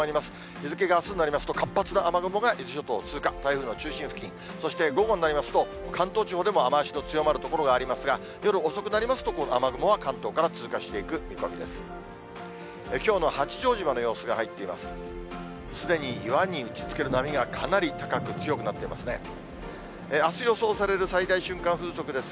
日付があすになりますと、活発な雨雲が伊豆諸島を通過、台風の中心付近、そして午後になりますと、関東地方でも雨足の強まる所もありますが、夜遅くなりますと、この雨雲が関東から通過していく見込みです。